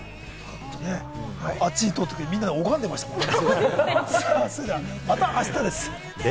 あっち行ったとき、みんな拝んでましたもんね。